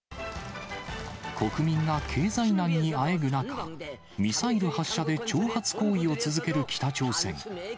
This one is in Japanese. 国民が経済難にあえぐ中、ミサイル発射で挑発行為を続ける北朝鮮。